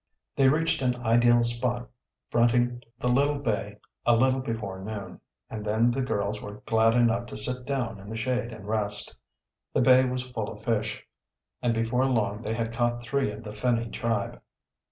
They reached an ideal spot fronting the little bay a little before noon, and then the girls were glad enough to sit down in the shade and rest. The bay was full of fish, and before long they had caught three of the finny tribe.